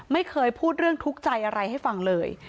ไม่เคยพูดเรื่องทุกข์ใจอะไรให้ฟังเลย